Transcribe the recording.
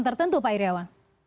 tertentu pak iryawan